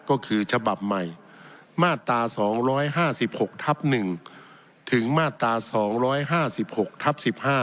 ก็คือฉบับใหม่มาตรา๒๕๖ทับ๑ถึงมาตรา๒๕๖ทับ๑๕